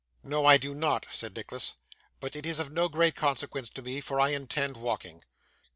'No, I do not,' said Nicholas; 'but it is of no great consequence to me, for I intend walking.